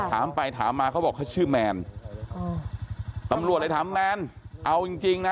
ถามไปถามมาเขาบอกเขาชื่อแมนตำรวจเลยถามแมนเอาจริงจริงนะ